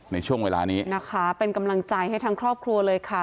ในช่วงเวลานี้นะคะเป็นกำลังใจให้ทั้งครอบครัวเลยค่ะ